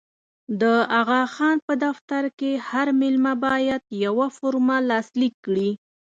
د اغا خان په دفتر کې هر مېلمه باید یوه فورمه لاسلیک کړي.